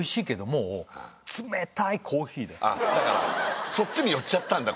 そうかそっちに寄っちゃったんだ